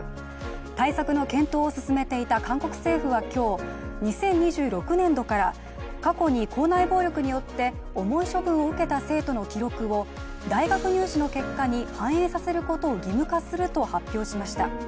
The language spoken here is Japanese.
対策の検討を進めていた韓国政府は今日、２０２６年度から過去に校内暴力によって重い処分を受けた生徒の記録を大学入試の結果に反映させることを義務化すると発表しました。